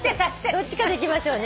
どっちかでいきましょうね。